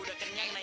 udah kenyang nek